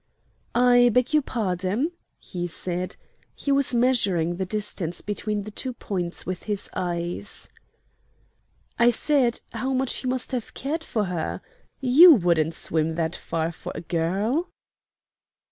"I beg your pardon," he said. He was measuring the distance between the two points with his eyes. "I said how much he must have cared for her! You wouldn't swim that far for a girl."